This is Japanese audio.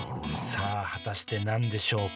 さあ果たして何でしょうか？